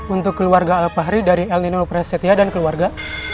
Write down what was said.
untuk keluarga alpahri dari el nino presetia dan keluarga